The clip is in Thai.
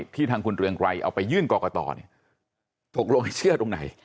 ทางคุณเรืองไกรเอาไปยื่นกรกตตกลงไปเชื่อตรงไหน